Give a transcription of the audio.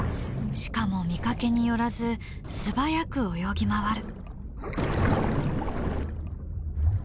しかも見かけによらず素早く泳ぎ回る。